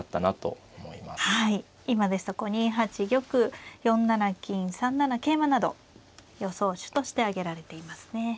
今ですと２八玉４七金３七桂馬など予想手として挙げられていますね。